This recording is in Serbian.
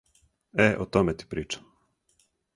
Е, о томе ти причам.